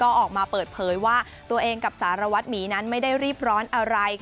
ก็ออกมาเปิดเผยว่าตัวเองกับสารวัตรหมีนั้นไม่ได้รีบร้อนอะไร